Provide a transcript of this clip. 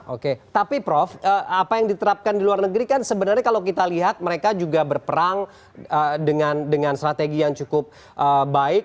oke tapi prof apa yang diterapkan di luar negeri kan sebenarnya kalau kita lihat mereka juga berperang dengan strategi yang cukup baik